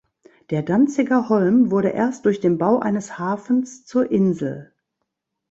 Der Danziger Holm wurde erst durch den Bau eines Hafens zur Insel.